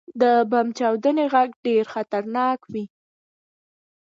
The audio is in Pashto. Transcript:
• د بم چاودنې ږغ ډېر خطرناک وي.